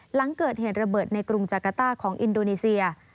หลังเกิดเหตุระเบิดในกรุงจากาต้าของอินโดนีเซีย